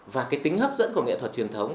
và cái tính hấp dẫn của nghệ thuật truyền thống